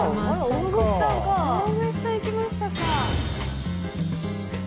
大串さん行きましたか。